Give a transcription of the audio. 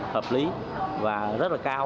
hợp lý và rất là cao